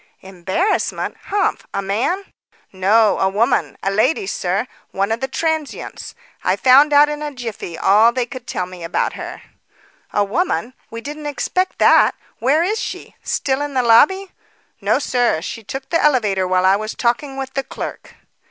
"Embarrassment? Humph! a man?" "No, a woman; a lady, sir; one of the transients. I found out in a jiffy all they could tell me about her." "A woman! We didn't expect that. Where is she? Still in the lobby?" "No, sir. She took the elevator while I was talking with the clerk."